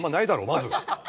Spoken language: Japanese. まず。